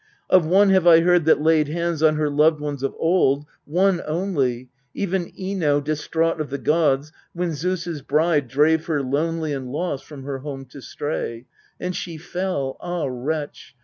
Of one have I heard that laid hands on her loved ones of old, one only, Even Ino distraught of the gods, when Zeus' bride drave her, lonely And lost, from her home to stray : And she fell ah, wretch